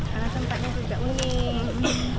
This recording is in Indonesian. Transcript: karena sampannya juga unik